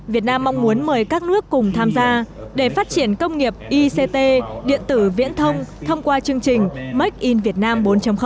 việt nam mong muốn mời các nước cùng tham gia để phát triển công nghiệp ict điện tử viễn thông thông qua chương trình make in việt nam bốn